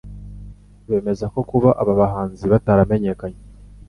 bemezako kuba aba bahanzi bataramenyekanye